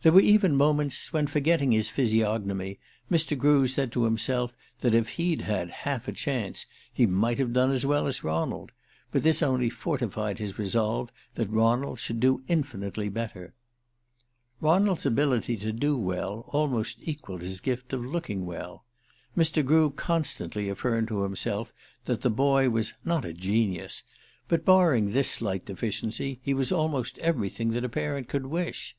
There were even moments when, forgetting his physiognomy, Mr. Grew said to himself that if he'd had "half a chance" he might have done as well as Ronald; but this only fortified his resolve that Ronald should do infinitely better. Ronald's ability to do well almost equalled his gift of looking well. Mr. Grew constantly affirmed to himself that the boy was "not a genius"; but, barring this slight deficiency, he was almost everything that a parent could wish.